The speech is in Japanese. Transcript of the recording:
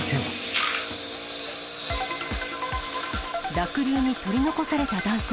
濁流に取り残された男性。